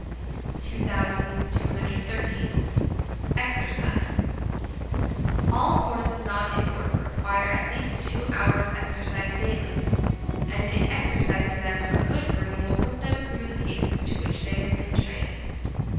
2213. Exercise. All horses not in work require at least two hours' exercise daily; and in exercising them a good groom will put them through the paces to which they have been trained.